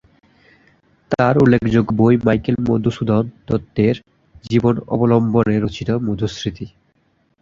তার উল্লেখযোগ্য বই মাইকেল মধুসূদন দত্তের জীবন অবলম্বনে রচিত মধুস্মৃতি।